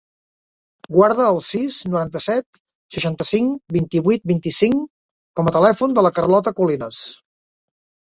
Guarda el sis, noranta-set, seixanta-cinc, vint-i-vuit, vint-i-cinc com a telèfon de la Carlota Colinas.